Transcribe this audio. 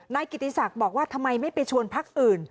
นายกิติศักดิ์บอกว่าทำไมไม่ไปชวนพักอื่น